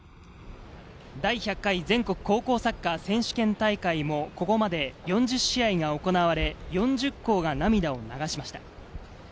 第１００回全国高校サッカー選手権大会も、ここまで４０試合が行われ、４０校が涙を流しました。